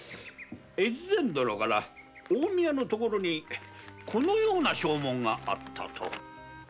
越前殿から近江屋の所にこのような証文があったと。